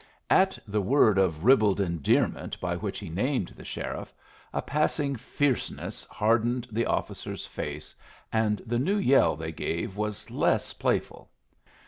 At the word of ribald endearment by which he named the sheriff, a passing fierceness hardened the officer's face, and the new yell they gave was less playful.